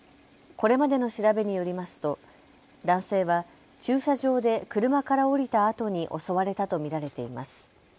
これまでの調べによりますと男性は駐車場で車から降りたあとに襲われたと見られています。